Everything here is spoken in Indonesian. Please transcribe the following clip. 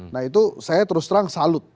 nah itu saya terus terang salut